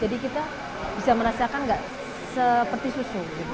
jadi kita bisa merasakan enggak seperti susu